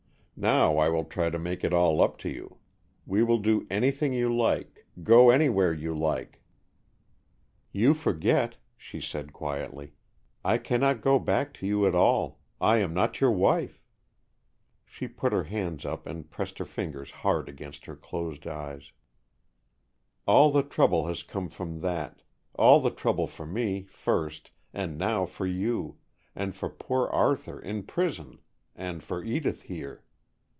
Now I will try to make it all up to you. We will do anything you like, go anywhere you like, " "You forget," she said, quietly, "I cannot go back to you at all. I am not your wife." She put her hands up and pressed her fingers hard against her closed eyes. "All the trouble has come from that, all the trouble for me first, and now for you, and for poor Arthur in prison and for Edith here.